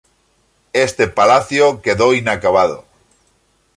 Este palacio quedó inacabado.